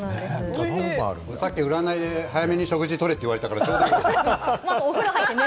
さっき占いで、早めに食事取れって言われたんで、ちょうどいい。